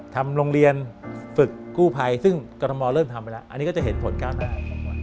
ทำโรงเรียนฝึกกู้ภัยซึ่งกรทมเริ่มทำไปแล้วอันนี้ก็จะเห็นผลก้าวหน้า